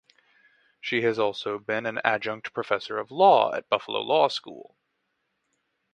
She has also been an adjunct professor of law at Buffalo Law School.